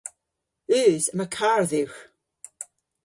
Eus. Yma karr dhywgh.